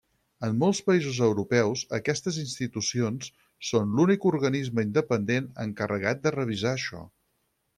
En molts països europeus, aquestes institucions són l'únic organisme independent encarregat de revisar això.